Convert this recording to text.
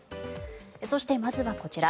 そして、まずはこちら。